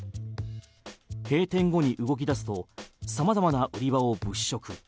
閉店後に動き出すと様々な売り場を物色。